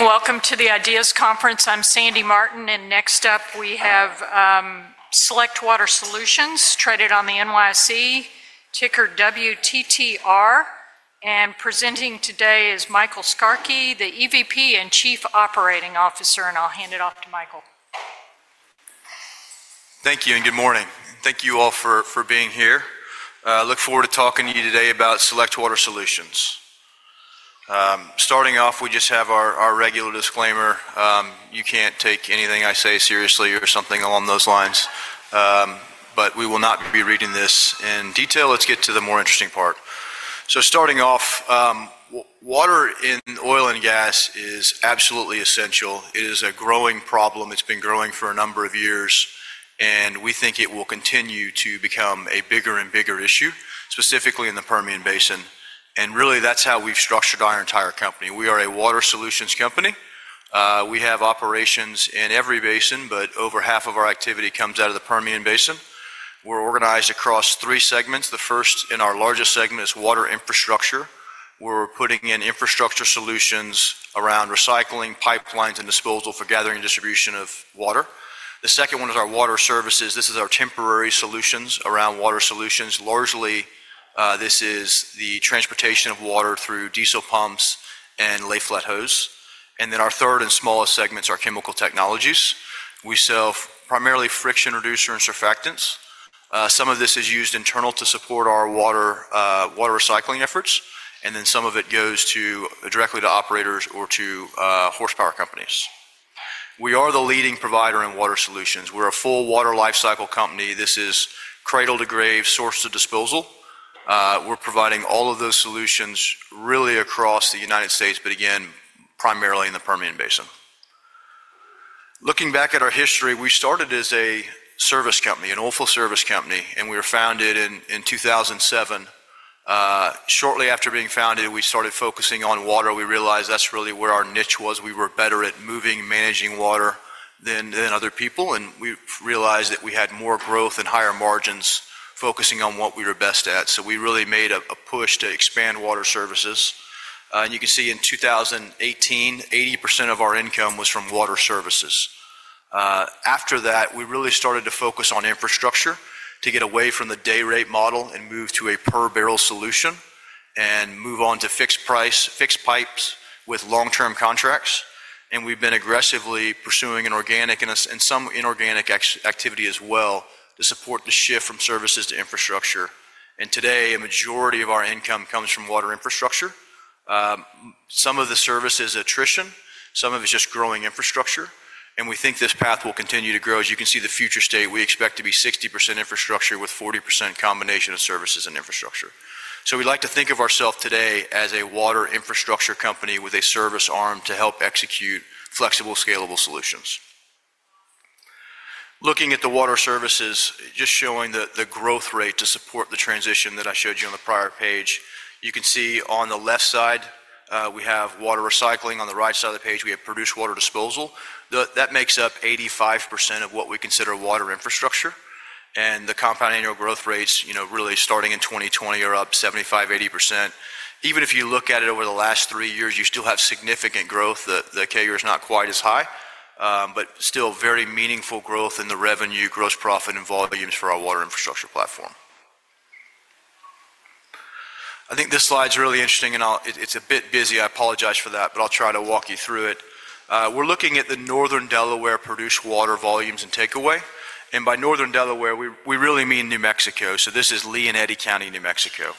Welcome to the Ideas Conference. I'm Sandy Martin, and next up we have Select Water Solutions, traded on the NYSE, ticker WTTR. Presenting today is Michael Skarke, the EVP and Chief Operating Officer, and I'll hand it off to Michael. Thank you and good morning. Thank you all for being here. I look forward to talking to you today about Select Water Solutions. Starting off, we just have our regular disclaimer. You can't take anything I say seriously or something along those lines, but we will not be reading this in detail. Let's get to the more interesting part. Starting off, water in oil and gas is absolutely essential. It is a growing problem. It's been growing for a number of years, and we think it will continue to become a bigger and bigger issue, specifically in the Permian Basin. Really, that's how we've structured our entire company. We are a water solutions company. We have operations in every basin, but over half of our activity comes out of the Permian Basin. We're organized across three segments. The first and our largest segment is water infrastructure. We're putting in infrastructure solutions around recycling pipelines and disposal for gathering and distribution of water. The second one is our water services. This is our temporary solutions around water solutions. Largely, this is the transportation of water through diesel pumps and lay flat hose. Then our third and smallest segment is our chemical technologies. We sell primarily friction reducer and surfactants. Some of this is used internal to support our water recycling efforts, and then some of it goes directly to operators or to horsepower companies. We are the leading provider in water solutions. We're a full water lifecycle company. This is cradle to grave, source to disposal. We're providing all of those solutions really across the United States, but again, primarily in the Permian Basin. Looking back at our history, we started as a service company, an oilfield service company, and we were founded in 2007. Shortly after being founded, we started focusing on water. We realized that's really where our niche was. We were better at moving and managing water than other people, and we realized that we had more growth and higher margins focusing on what we were best at. We really made a push to expand water services. You can see in 2018, 80% of our income was from water services. After that, we really started to focus on infrastructure to get away from the day rate model and move to a per barrel solution and move on to fixed price, fixed pipes with long-term contracts. We have been aggressively pursuing an organic and some inorganic activity as well to support the shift from services to infrastructure. Today, a majority of our income comes from water infrastructure. Some of the service is attrition. Some of it is just growing infrastructure. We think this path will continue to grow. As you can see, the future state, we expect to be 60% infrastructure with 40% combination of services and infrastructure. We like to think of ourselves today as a water infrastructure company with a service arm to help execute flexible, scalable solutions. Looking at the water services, just showing the growth rate to support the transition that I showed you on the prior page, you can see on the left side we have water recycling. On the right side of the page, we have produced water disposal. That makes up 85% of what we consider water infrastructure. The compound annual growth rates, really starting in 2020, are up 75%-80%. Even if you look at it over the last three years, you still have significant growth. The CAGR is not quite as high, but still very meaningful growth in the revenue, gross profit and volumes for our water infrastructure platform. I think this slide is really interesting, and it's a bit busy. I apologize for that, but I'll try to walk you through it. We're looking at the Northern Delaware produced water volumes and takeaway. By Northern Delaware, we really mean New Mexico. This is Lea County, New Mexico.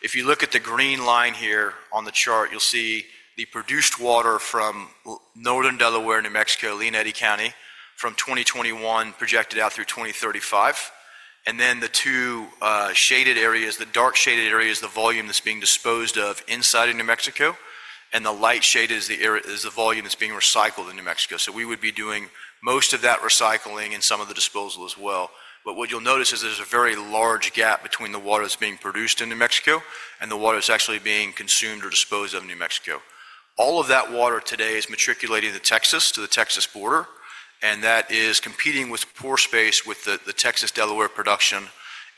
If you look at the green line here on the chart, you'll see the produced water from Northern Delaware, New Mexico, Lea County from 2021 projected out through 2035. The two shaded areas, the dark shaded area is the volume that's being disposed of inside of New Mexico, and the light shaded is the volume that's being recycled in New Mexico. We would be doing most of that recycling and some of the disposal as well. What you'll notice is there's a very large gap between the water that's being produced in New Mexico and the water that's actually being consumed or disposed of in New Mexico. All of that water today is matriculating to Texas to the Texas border, and that is competing with pore space with the Texas Delaware production.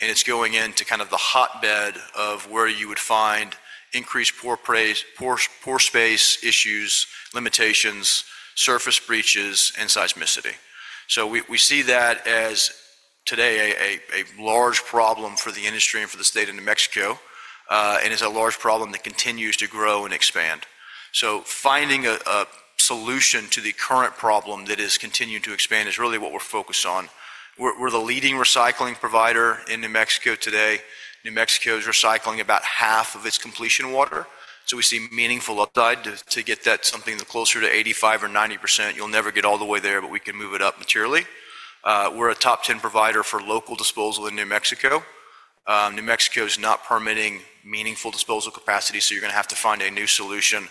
It is going into kind of the hotbed of where you would find increased pore space issues, limitations, surface breaches, and seismicity. We see that as today a large problem for the industry and for the state of New Mexico, and it's a large problem that continues to grow and expand. Finding a solution to the current problem that is continuing to expand is really what we're focused on. We're the leading recycling provider in New Mexico today. New Mexico is recycling about half of its completion water. We see meaningful upside to get that something closer to 85% or 90%. You'll never get all the way there, but we can move it up materially. We're a top 10 provider for local disposal in New Mexico. New Mexico is not permitting meaningful disposal capacity, so you're going to have to find a new solution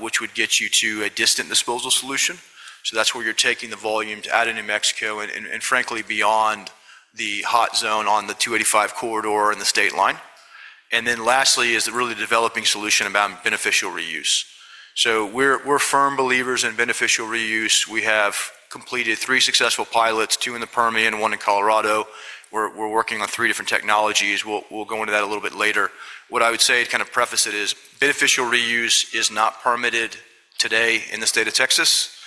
which would get you to a distant disposal solution. That's where you're taking the volumes out of New Mexico and frankly beyond the hot zone on the 285 corridor and the state line. Lastly, there is really the developing solution around beneficial reuse. We're firm believers in beneficial reuse. We have completed three successful pilots, two in the Permian, one in Colorado. We're working on three different technologies. We'll go into that a little bit later. What I would say to kind of preface it is beneficial reuse is not permitted today in the state of Texas.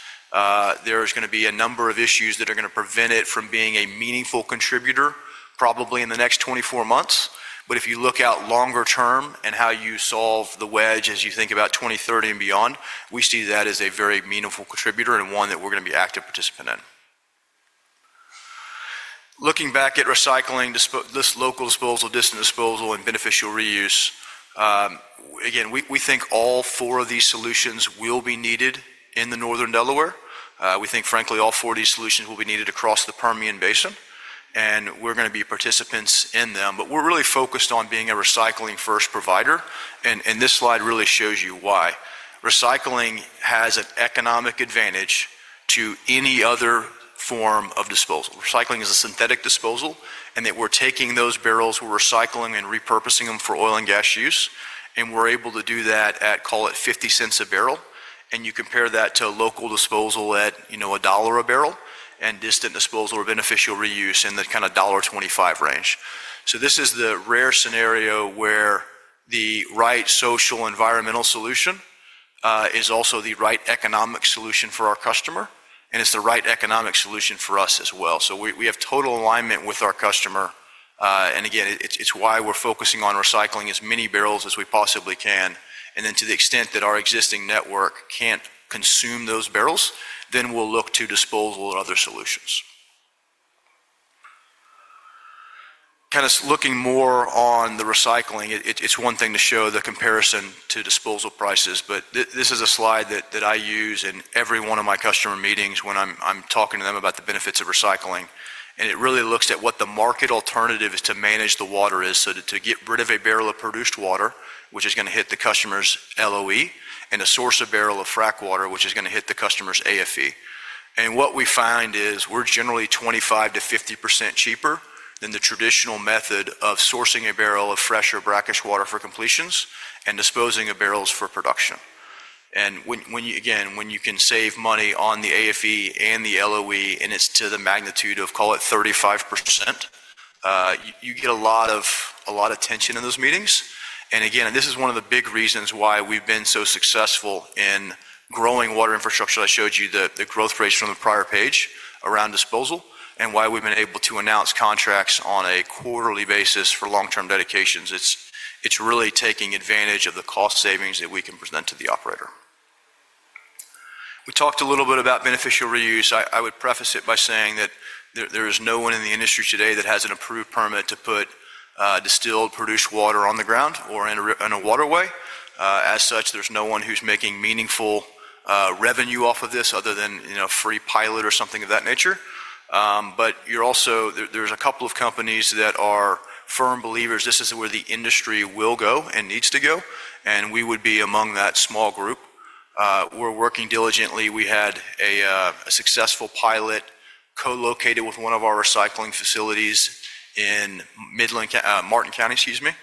There's going to be a number of issues that are going to prevent it from being a meaningful contributor probably in the next 24 months. If you look out longer term and how you solve the wedge as you think about 2030 and beyond, we see that as a very meaningful contributor and one that we're going to be active participant in. Looking back at recycling, this local disposal, distant disposal, and beneficial reuse, again, we think all four of these solutions will be needed in the Northern Delaware. We think frankly all four of these solutions will be needed across the Permian Basin, and we're going to be participants in them. We are really focused on being a recycling-first provider, and this slide really shows you why. Recycling has an economic advantage to any other form of disposal. Recycling is a synthetic disposal, in that we are taking those barrels, we are recycling and repurposing them for oil and gas use, and we are able to do that at, call it $0.50 a barrel. You compare that to local disposal at $1 a barrel and distant disposal or beneficial reuse in the kind of $1.25 range. This is the rare scenario where the right social environmental solution is also the right economic solution for our customer, and it is the right economic solution for us as well. We have total alignment with our customer. Again, it is why we are focusing on recycling as many barrels as we possibly can. To the extent that our existing network can't consume those barrels, we will look to disposal or other solutions. Kind of looking more on the recycling, it's one thing to show the comparison to disposal prices, but this is a slide that I use in every one of my customer meetings when I'm talking to them about the benefits of recycling. It really looks at what the market alternative is to manage the water, which is to get rid of a barrel of produced water, which is going to hit the customer's LOE, and a source of barrel of frack water, which is going to hit the customer's AFE. What we find is we're generally 25%-50% cheaper than the traditional method of sourcing a barrel of fresh or brackish water for completions and disposing of barrels for production. When you can save money on the AFE and the LOE, and it's to the magnitude of, call it 35%, you get a lot of tension in those meetings. This is one of the big reasons why we've been so successful in growing water infrastructure. I showed you the growth rates from the prior page around disposal and why we've been able to announce contracts on a quarterly basis for long-term dedications. It's really taking advantage of the cost savings that we can present to the operator. We talked a little bit about beneficial reuse. I would preface it by saying that there is no one in the industry today that has an approved permit to put distilled produced water on the ground or in a waterway. As such, there's no one who's making meaningful revenue off of this other than a free pilot or something of that nature. There are a couple of companies that are firm believers. This is where the industry will go and needs to go, and we would be among that small group. We're working diligently. We had a successful pilot co-located with one of our recycling facilities in Martin County.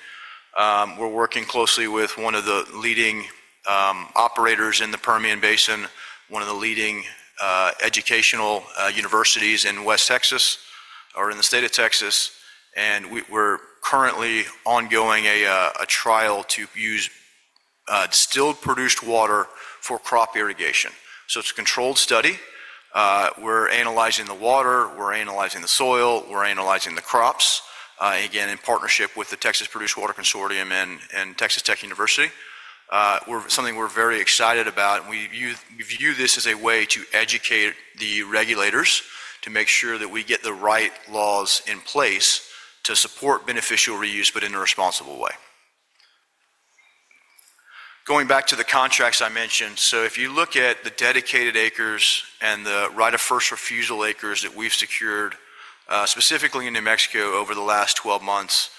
We're working closely with one of the leading operators in the Permian Basin, one of the leading educational universities in West Texas or in the state of Texas. We're currently ongoing a trial to use distilled produced water for crop irrigation. It is a controlled study. We're analyzing the water. We're analyzing the soil. We're analyzing the crops. Again, in partnership with the Texas Produce Water Consortium and Texas Tech University, something we're very excited about. We view this as a way to educate the regulators to make sure that we get the right laws in place to support beneficial reuse, but in a responsible way. Going back to the contracts I mentioned, if you look at the dedicated acres and the right of first refusal acres that we've secured specifically in New Mexico over the last 12 months,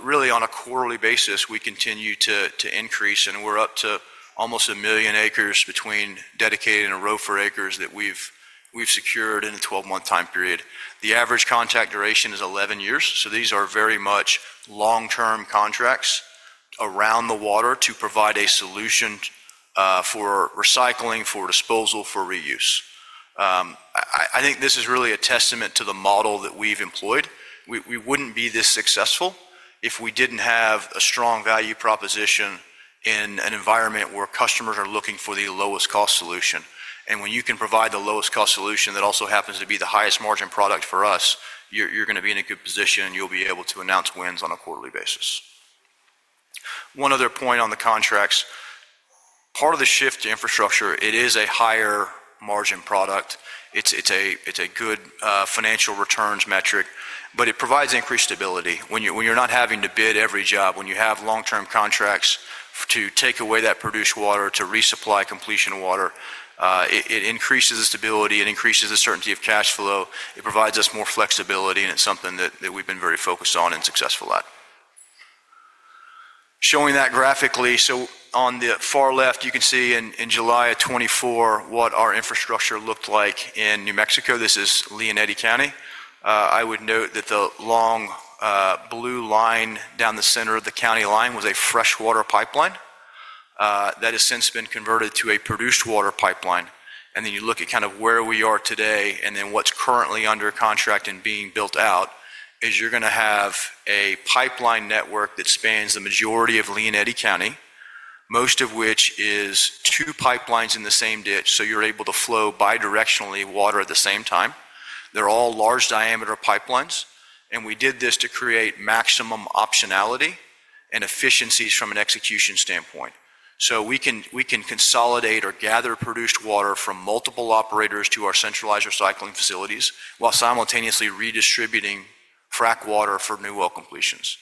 really on a quarterly basis, we continue to increase. We're up to almost a million acres between dedicated and right of first refusal acres that we've secured in a 12-month time period. The average contract duration is 11 years. These are very much long-term contracts around the water to provide a solution for recycling, for disposal, for reuse. I think this is really a testament to the model that we've employed. We wouldn't be this successful if we didn't have a strong value proposition in an environment where customers are looking for the lowest cost solution. When you can provide the lowest cost solution that also happens to be the highest margin product for us, you're going to be in a good position. You'll be able to announce wins on a quarterly basis. One other point on the contracts, part of the shift to infrastructure, it is a higher margin product. It's a good financial returns metric, but it provides increased stability. When you're not having to bid every job, when you have long-term contracts to take away that produced water to resupply completion water, it increases the stability. It increases the certainty of cash flow. It provides us more flexibility, and it's something that we've been very focused on and successful at. Showing that graphically, on the far left, you can see in July of 2024 what our infrastructure looked like in New Mexico, this is Lea County. I would note that the long blue line down the center of the county line was a freshwater pipeline that has since been converted to a produced water pipeline. You look at kind of where we are today and then what's currently under contract and being built out, you're going to have a pipeline network that spans the majority of Lea County, most of which is two pipelines in the same ditch. You're able to flow bidirectionally water at the same time. They're all large diameter pipelines. We did this to create maximum optionality and efficiencies from an execution standpoint. We can consolidate or gather produced water from multiple operators to our centralized recycling facilities while simultaneously redistributing frack water for new well completions.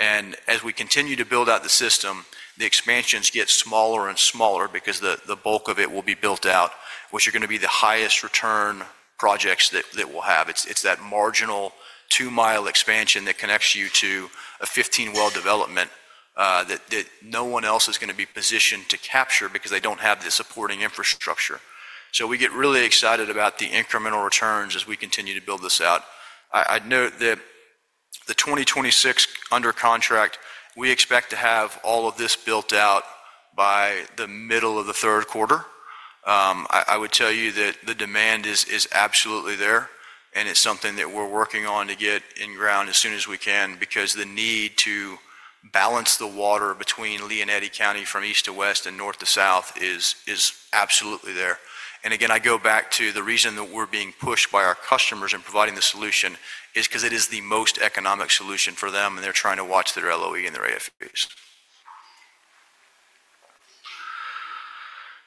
As we continue to build out the system, the expansions get smaller and smaller because the bulk of it will be built out, which are going to be the highest return projects that we'll have. It's that marginal two-mile expansion that connects you to a 15-well development that no one else is going to be positioned to capture because they don't have the supporting infrastructure. We get really excited about the incremental returns as we continue to build this out. I'd note that the 2026 under contract, we expect to have all of this built out by the middle of the third quarter. I would tell you that the demand is absolutely there, and it's something that we're working on to get in ground as soon as we can because the need to balance the water between Lea County from east to west and north to south is absolutely there. I go back to the reason that we're being pushed by our customers in providing the solution is because it is the most economic solution for them, and they're trying to watch their LOE and their AFEs.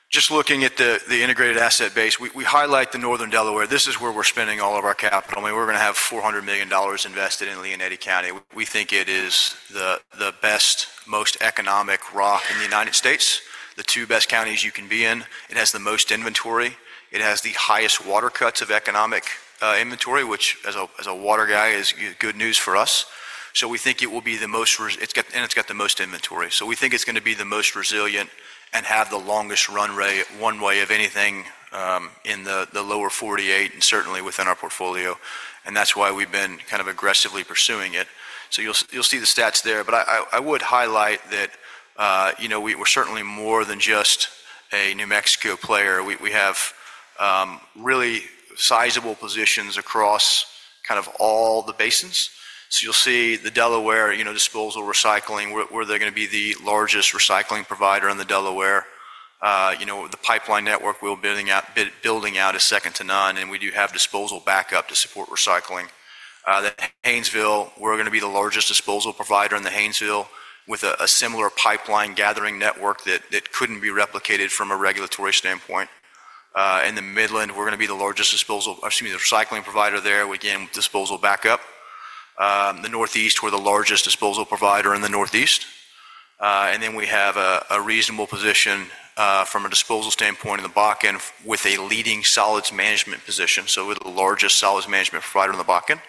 Just looking at the integrated asset base, we highlight the Northern Delaware. This is where we're spending all of our capital. I mean, we're going to have $400 million invested in Lea County. We think it is the best, most economic rock in the United States, the two best counties you can be in. It has the most inventory. It has the highest water cuts of economic inventory, which as a water guy is good news for us. We think it will be the most, and it's got the most inventory. We think it's going to be the most resilient and have the longest runway of anything in the lower 48 and certainly within our portfolio. That is why we've been kind of aggressively pursuing it. You'll see the stats there. I would highlight that we're certainly more than just a New Mexico player. We have really sizable positions across kind of all the basins. You'll see the Delaware disposal recycling, where they're going to be the largest recycling provider in the Delaware. The pipeline network we're building out is second to none, and we do have disposal backup to support recycling. The Haynesville, we're going to be the largest disposal provider in the Haynesville with a similar pipeline gathering network that couldn't be replicated from a regulatory standpoint. In the Midland, we're going to be the largest disposal, excuse me, the recycling provider there, again, with disposal backup. The Northeast, we're the largest disposal provider in the Northeast. We have a reasonable position from a disposal standpoint in the Bakken with a leading solids management position. We're the largest solids management provider in the Bakken.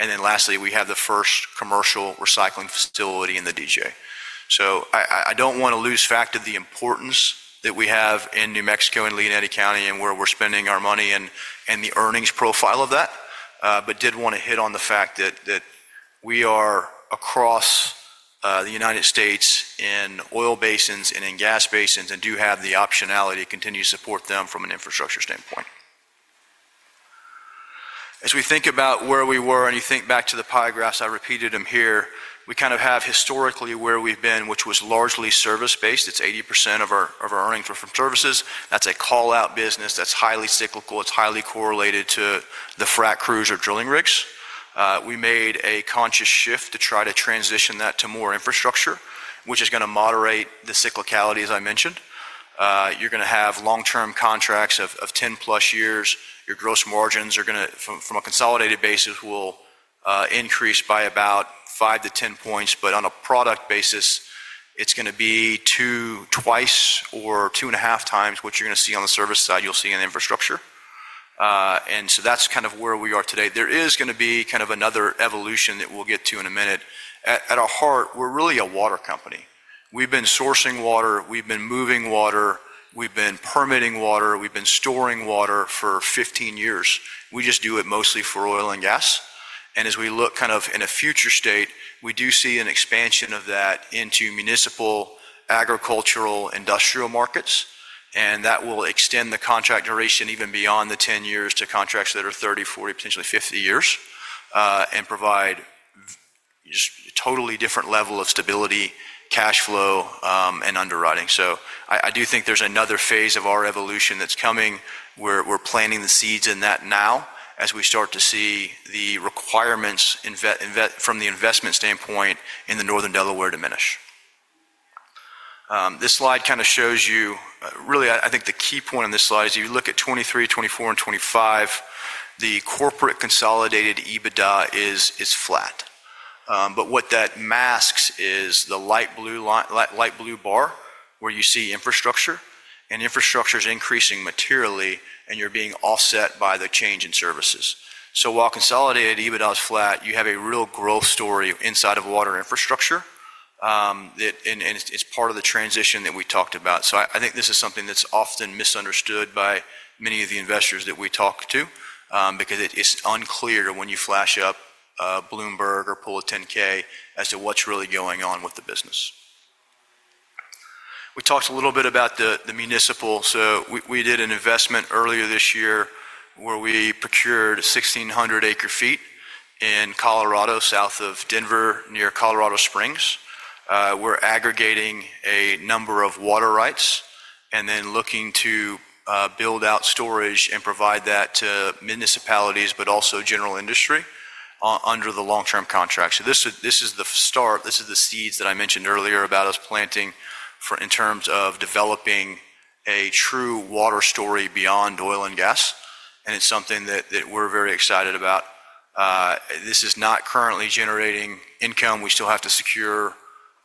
Lastly, we have the first commercial recycling facility in the DJ. I don't want to lose sight of the importance that we have in New Mexico and Lea County and where we're spending our money and the earnings profile of that, but did want to hit on the fact that we are across the United States in oil basins and in gas basins and do have the optionality to continue to support them from an infrastructure standpoint. As we think about where we were and you think back to the pie graphs, I repeated them here, we kind of have historically where we've been, which was largely service-based. It's 80% of our earnings were from services. That's a call-out business. That's highly cyclical. It's highly correlated to the frack crews or drilling rigs. We made a conscious shift to try to transition that to more infrastructure, which is going to moderate the cyclicality, as I mentioned. You're going to have long-term contracts of 10-plus years. Your gross margins are going to, from a consolidated basis, will increase by about 5 points-10 points. On a product basis, it's going to be twice or two and a half times what you're going to see on the service side. You'll see in infrastructure. That is kind of where we are today. There is going to be kind of another evolution that we'll get to in a minute. At our heart, we're really a water company. We've been sourcing water. We've been moving water. We've been permitting water. We've been storing water for 15 years. We just do it mostly for oil and gas. As we look kind of in a future state, we do see an expansion of that into municipal, agricultural, industrial markets. That will extend the contract duration even beyond the 10 years to contracts that are 30, 40, potentially 50 years and provide just a totally different level of stability, cash flow, and underwriting. I do think there's another phase of our evolution that's coming. We're planting the seeds in that now as we start to see the requirements from the investment standpoint in the Northern Delaware diminish. This slide kind of shows you really, I think the key point on this slide is if you look at 2023, 2024, and 2025, the corporate consolidated EBITDA is flat. What that masks is the light blue bar where you see infrastructure, and infrastructure is increasing materially, and you're being offset by the change in services. While consolidated EBITDA is flat, you have a real growth story inside of water infrastructure, and it's part of the transition that we talked about. I think this is something that's often misunderstood by many of the investors that we talk to because it's unclear when you flash up Bloomberg or pull a 10K as to what's really going on with the business. We talked a little bit about the municipal. We did an investment earlier this year where we procured 1,600 acre feet in Colorado, south of Denver, near Colorado Springs. We're aggregating a number of water rights and then looking to build out storage and provide that to municipalities, but also general industry under the long-term contract. This is the start. This is the seeds that I mentioned earlier about us planting in terms of developing a true water story beyond oil and gas. It is something that we are very excited about. This is not currently generating income. We still have to secure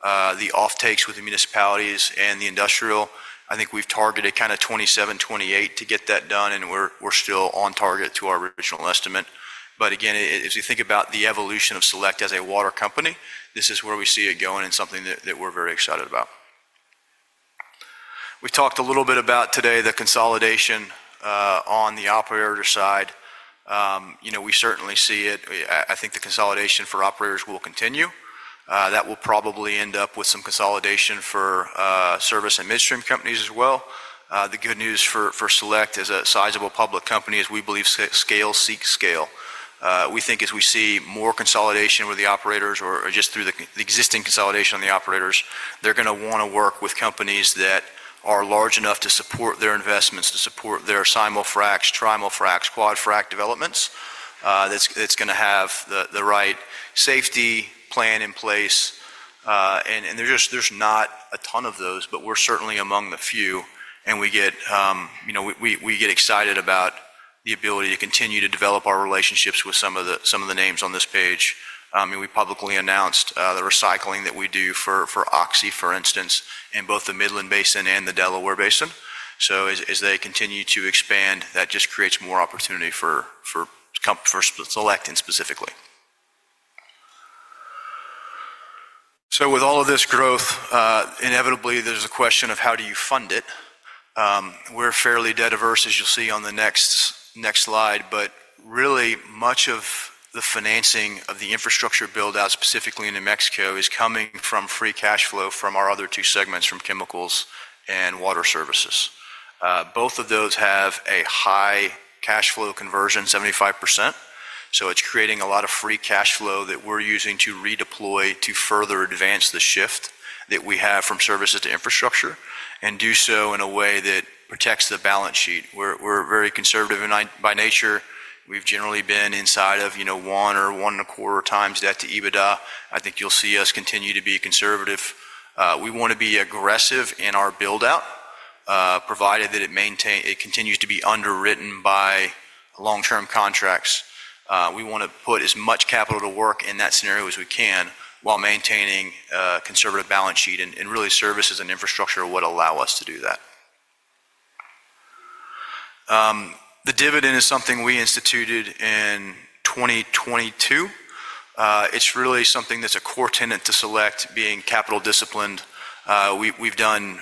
the offtakes with the municipalities and the industrial. I think we have targeted kind of 2027, 2028 to get that done, and we are still on target to our original estimate. Again, as you think about the evolution of Select as a water company, this is where we see it going and something that we are very excited about. We talked a little bit today about the consolidation on the operator side. We certainly see it. I think the consolidation for operators will continue. That will probably end up with some consolidation for service and midstream companies as well. The good news for Select as a sizable public company is we believe scale seeks scale. We think as we see more consolidation with the operators or just through the existing consolidation on the operators, they're going to want to work with companies that are large enough to support their investments, to support their simul fracs, trimal fracs, quad frac developments. It is going to have the right safety plan in place. There are not a ton of those, but we're certainly among the few. We get excited about the ability to continue to develop our relationships with some of the names on this page. I mean, we publicly announced the recycling that we do for Oxy, for instance, in both the Midland Basin and the Delaware Basin. As they continue to expand, that just creates more opportunity for Select and specifically. With all of this growth, inevitably, there's a question of how do you fund it. We're fairly debt averse, as you'll see on the next slide. Really, much of the financing of the infrastructure build-out, specifically in New Mexico, is coming from free cash flow from our other two segments, from chemicals and water services. Both of those have a high cash flow conversion, 75%. It's creating a lot of free cash flow that we're using to redeploy to further advance the shift that we have from services to infrastructure and do so in a way that protects the balance sheet. We're very conservative by nature. We've generally been inside of one or one and a quarter times debt to EBITDA. I think you'll see us continue to be conservative. We want to be aggressive in our build-out, provided that it continues to be underwritten by long-term contracts. We want to put as much capital to work in that scenario as we can while maintaining a conservative balance sheet and really services and infrastructure would allow us to do that. The dividend is something we instituted in 2022. It's really something that's a core tenet to Select, being capital disciplined. We've done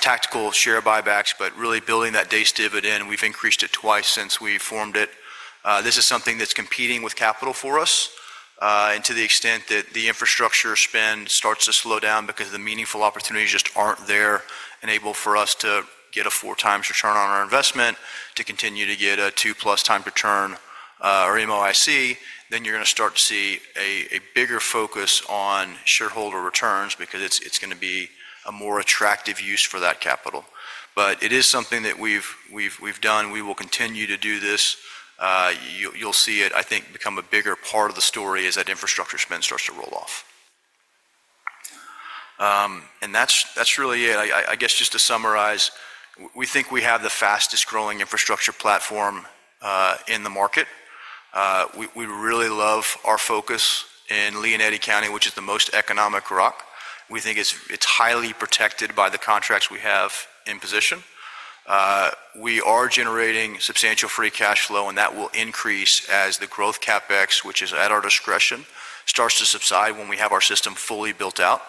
tactical share buybacks, but really building that base dividend, we've increased it twice since we formed it. This is something that's competing with capital for us. To the extent that the infrastructure spend starts to slow down because the meaningful opportunities just aren't there and able for us to get a four-times return on our investment, to continue to get a two-plus times return or MOIC, you're going to start to see a bigger focus on shareholder returns because it's going to be a more attractive use for that capital. It is something that we've done. We will continue to do this. You'll see it, I think, become a bigger part of the story as that infrastructure spend starts to roll off. That is really it. I guess just to summarize, we think we have the fastest growing infrastructure platform in the market. We really love our focus in Lea County, which is the most economic rock. We think it's highly protected by the contracts we have in position. We are generating substantial free cash flow, and that will increase as the growth CapEx, which is at our discretion, starts to subside when we have our system fully built out.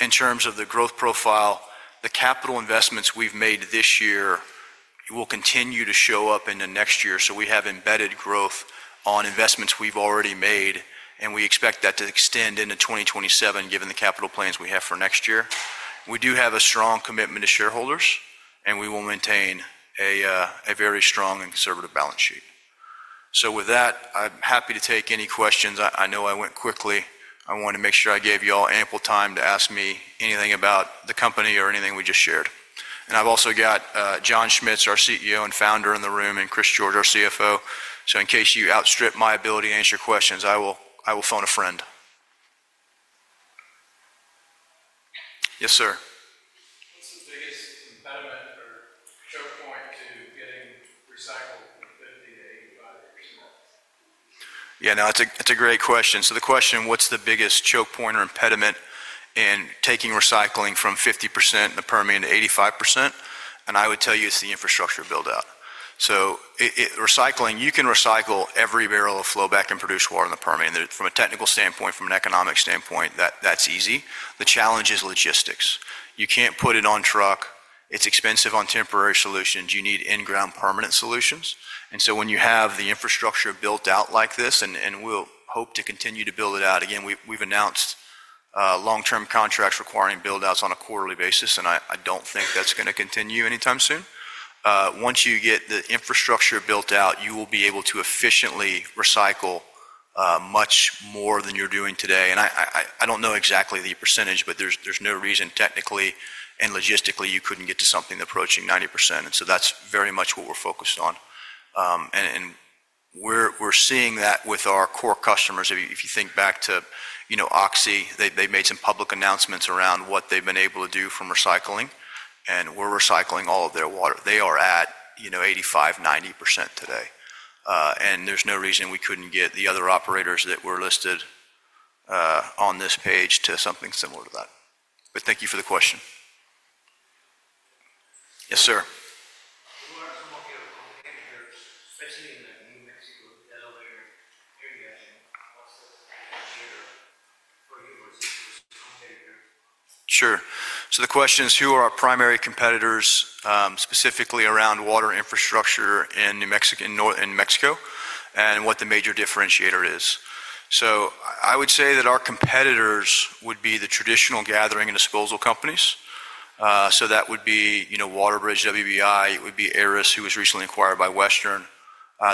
In terms of the growth profile, the capital investments we've made this year will continue to show up in the next year. We have embedded growth on investments we've already made, and we expect that to extend into 2027, given the capital plans we have for next year. We do have a strong commitment to shareholders, and we will maintain a very strong and conservative balance sheet. With that, I'm happy to take any questions. I know I went quickly. I wanted to make sure I gave you all ample time to ask me anything about the company or anything we just shared. I've also got John Schmitz, our CEO and founder, in the room, and Chris George, our CFO. In case you outstrip my ability to answer questions, I will phone a friend. Yes, sir. What's the biggest impediment or choke point to getting recycled from 50%-85%? Yeah, no, it's a great question. The question, what's the biggest choke point or impediment in taking recycling from 50% in the Permian to 85%? I would tell you it's the infrastructure build-out. Recycling, you can recycle every barrel of flowback and produced water in the Permian. From a technical standpoint, from an economic standpoint, that's easy. The challenge is logistics. You can't put it on truck. It's expensive on temporary solutions. You need in-ground permanent solutions. When you have the infrastructure built out like this, and we'll hope to continue to build it out. Again, we've announced long-term contracts requiring build-outs on a quarterly basis, and I don't think that's going to continue anytime soon. Once you get the infrastructure built out, you will be able to efficiently recycle much more than you're doing today. I don't know exactly the percentage, but there's no reason technically and logistically you couldn't get to something approaching 90%. That's very much what we're focused on. We're seeing that with our core customers. If you think back to Oxy, they've made some public announcements around what they've been able to do from recycling, and we're recycling all of their water. They are at 85%-90% today. There's no reason we couldn't get the other operators that were listed on this page to something similar to that. Thank you for the question. Yes, sir. Sure. The question is, who are our primary competitors, specifically around water infrastructure in New Mexico and what the major differentiator is? I would say that our competitors would be the traditional gathering and disposal companies. That would be WaterBridge, WBI. It would be Ares, who was recently acquired by Western Midstream.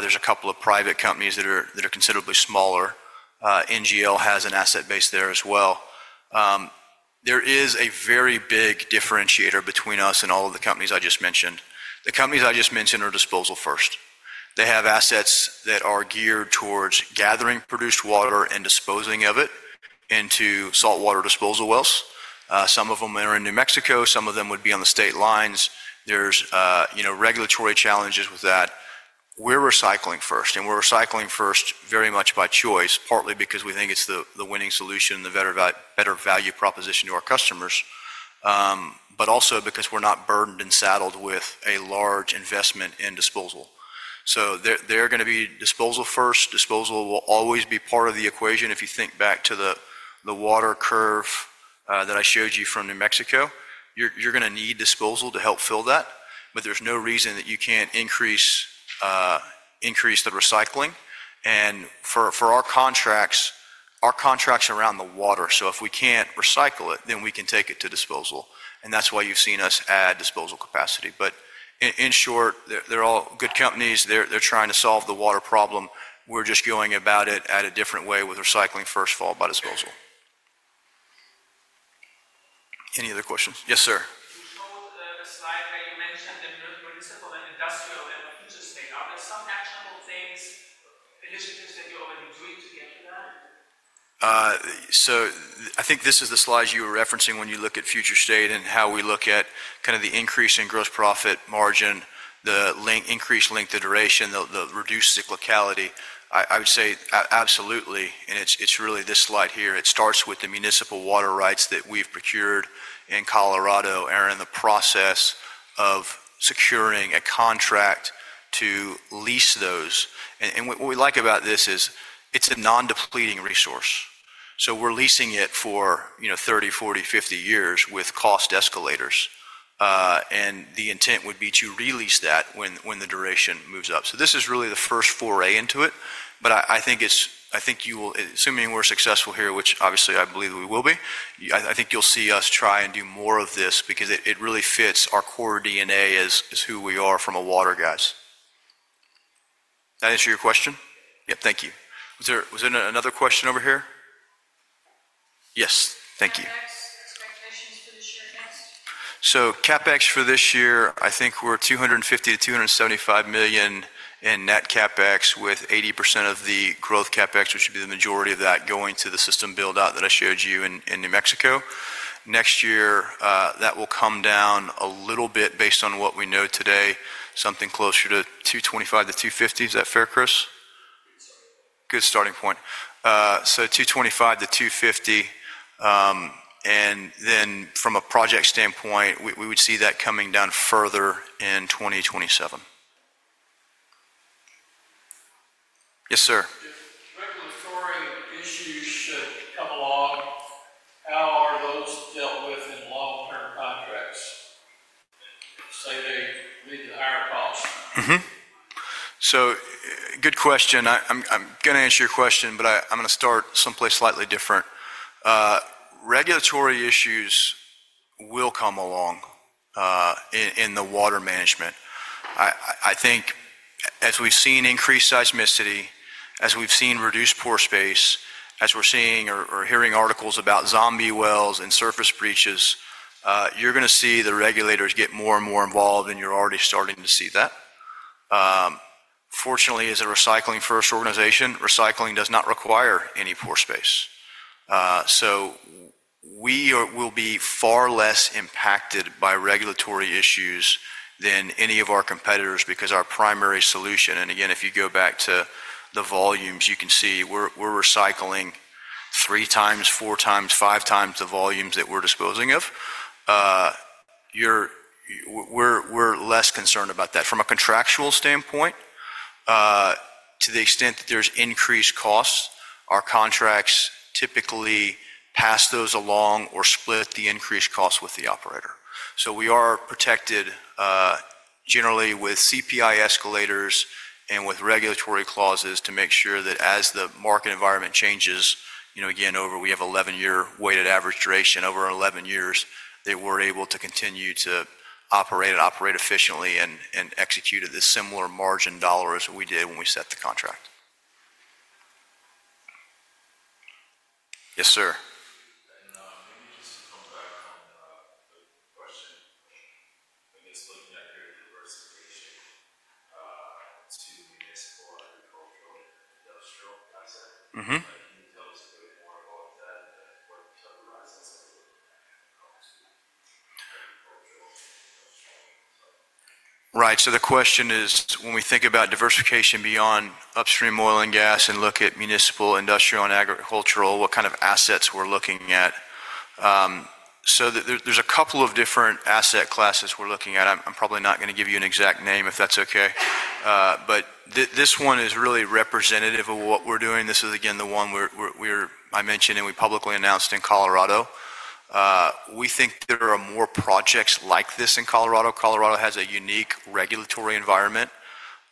There are a couple of private companies that are considerably smaller. NGL has an asset base there as well. There is a very big differentiator between us and all of the companies I just mentioned. The companies I just mentioned are disposal first. They have assets that are geared towards gathering produced water and disposing of it into saltwater disposal wells. Some of them are in New Mexico. Some of them would be on the state lines. There are regulatory challenges with that. We're recycling first, and we're recycling first very much by choice, partly because we think it's the winning solution and the better value proposition to our customers, but also because we're not burdened and saddled with a large investment in disposal. They're going to be disposal first. Disposal will always be part of the equation. If you think back to the water curve that I showed you from New Mexico, you're going to need disposal to help fill that. There's no reason that you can't increase the recycling. For our contracts, our contracts are around the water. If we can't recycle it, then we can take it to disposal. That's why you've seen us add disposal capacity. In short, they're all good companies. They're trying to solve the water problem. We're just going about it a different way with recycling first, followed by disposal. Any other questions? Yes, sir. You showed the slide where you mentioned the municipal and industrial and future state. Are there some actionable things I think this is the slide you were referencing when you look at future state and how we look at kind of the increase in gross profit margin, the increased length of duration, the reduced cyclicality. I would say absolutely. It's really this slide here. It starts with the municipal water rights that we've procured in Colorado and are in the process of securing a contract to lease those. What we like about this is it's a non-depleting resource. We're leasing it for 30, 40, 50 years with cost escalators. The intent would be to release that when the duration moves up. This is really the first foray into it. I think you will, assuming we're successful here, which obviously I believe we will be, I think you'll see us try and do more of this because it really fits our core DNA as who we are from a water guise. That answer your question? Yep. Thank you. Was there another question over here? Yes. Thank you. CapEx for this year, I think we're $250 million-$275 million in net CapEx with 80% of the growth CapEx, which would be the majority of that, going to the system build-out that I showed you in New Mexico. Next year, that will come down a little bit based on what we know today, something closer to $225 million-$250 million. Is that fair, Chris? Good starting point. $225 million-$250 million. And then from a project standpoint, we would see that coming down further in 2027. Yes, sir. Regulatory issues should come along, how are those dealt with in long-term contracts? Say they lead to higher Good question. I'm going to answer your question, but I'm going to start someplace slightly different. Regulatory issues will come along in the water management. I think as we've seen increased seismicity, as we've seen reduced pore space, as we're seeing or hearing articles about zombie wells and surface breaches, you're going to see the regulators get more and more involved, and you're already starting to see that. Fortunately, as a recycling-first organization, recycling does not require any pore space. We will be far less impacted by regulatory issues than any of our competitors because our primary solution—and again, if you go back to the volumes, you can see we're recycling three times, four times, five times the volumes that we're disposing of. We're less concerned about that. From a contractual standpoint, to the extent that there's increased costs, our contracts typically pass those along or split the increased costs with the operator. We are protected generally with CPI escalators and with regulatory clauses to make sure that as the market environment changes, again, we have an 11-year weighted average duration. Over 11 years, they were able to continue to operate and operate efficiently and execute at a similar margin dollar as we did when we set the contract. Yes, sir. Right. The question is, when we think about diversification beyond upstream oil and gas and look at municipal, industrial, and agricultural, what kind of assets we're looking at? There are a couple of different asset classes we're looking at. I'm probably not going to give you an exact name if that's okay. This one is really representative of what we're doing. This is, again, the one I mentioned and we publicly announced in Colorado. We think there are more projects like this in Colorado. Colorado has a unique regulatory environment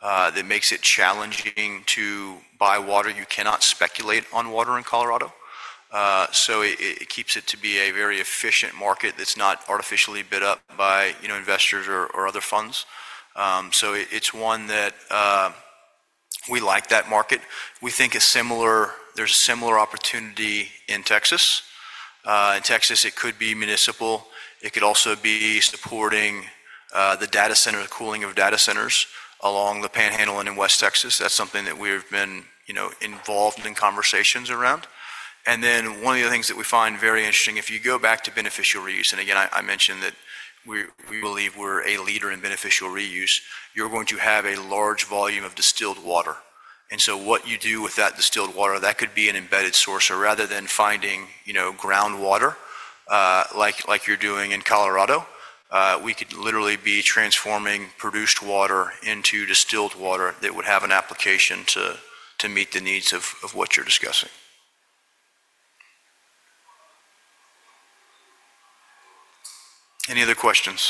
that makes it challenging to buy water. You cannot speculate on water in Colorado. It keeps it to be a very efficient market that's not artificially bid up by investors or other funds. It's one that we like, that market. We think there's a similar opportunity in Texas. In Texas, it could be municipal. It could also be supporting the data center, the cooling of data centers along the Panhandle and in West Texas. That's something that we've been involved in conversations around. One of the things that we find very interesting, if you go back to beneficial reuse, and again, I mentioned that we believe we're a leader in beneficial reuse, you're going to have a large volume of distilled water. What you do with that distilled water, that could be an embedded source. Rather than finding groundwater like you're doing in Colorado, we could literally be transforming produced water into distilled water that would have an application to meet the needs of what you're discussing. Any other questions?